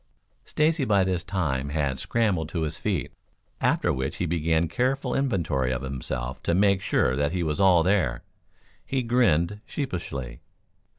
Stacy, by this time, had scrambled to his feet; after which, he began a careful inventory of himself to make sure that he was all there. He grinned sheepishly.